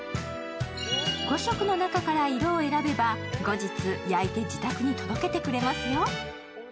５色の中から色を選べば、後日、焼いて自宅に届けてくれますよ。